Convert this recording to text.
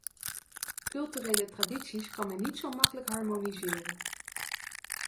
Culturele tradities kan men niet zo gemakkelijk harmoniseren.